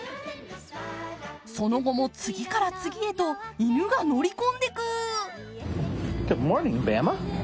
その後も次から次へと犬が乗り込んでいく。